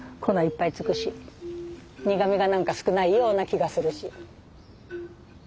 粉いっぱいつくし苦みが何か少ないような気がするし。